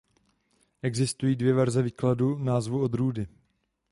Existují dvě verze výkladu názvu odrůdy.